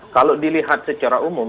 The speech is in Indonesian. kalau dilihat secara umum